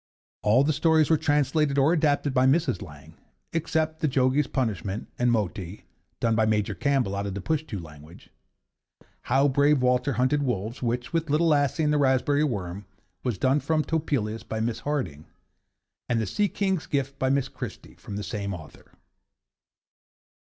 All the stories were translated or adapted by Mrs. Lang, except 'The Jogi's Punishment' and 'Moti,' done by Major Campbell out of the Pushtoo language; 'How Brave Walter hunted Wolves,' which, with 'Little Lasse' and 'The Raspberry Worm,' was done from Topelius by Miss Harding; and 'The Sea King's Gift,' by Miss Christie, from the same author.